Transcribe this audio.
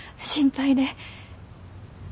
心配で。